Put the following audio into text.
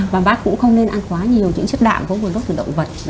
và bác cũng không nên ăn quá nhiều những chất đạm có nguồn gốc từ động vật